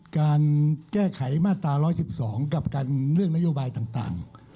การแก้ไขมาตรา๑๑๒กับการเลือกนโยบายต่าง